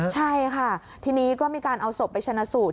ใช่ค่ะทีนี้ก็มีการเอาศพไปชนะสูตร